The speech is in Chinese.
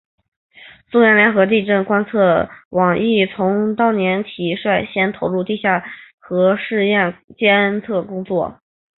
苏联联合地震观测台网亦从当年起率先投入地下核试验监测工作。